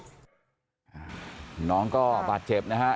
น้องก็บาดเจ็บนะฮะ